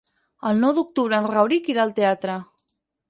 El nou d'octubre en Rauric irà al teatre.